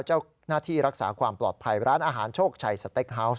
เจ้าหน้าที่รักษาความปลอดภัยร้านอาหารโชคชัยสเต็กฮาวส์